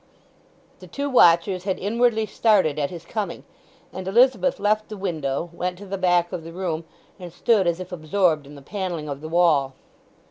The two watchers had inwardly started at his coming, and Elizabeth left the window, went to the back of the room, and stood as if absorbed in the panelling of the wall.